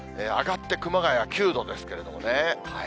上がって熊谷９度ですけれども。